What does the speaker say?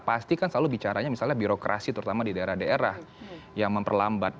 pasti kan selalu bicaranya misalnya birokrasi terutama di daerah daerah yang memperlambat